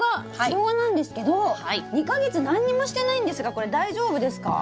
ショウガなんですけど２か月何にもしてないんですがこれ大丈夫ですか？